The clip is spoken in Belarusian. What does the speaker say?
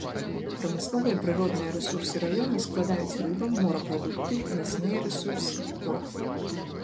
Прамысловыя прыродныя рэсурсы раёна складаюць рыба, морапрадукты, лясныя рэсурсы, торф.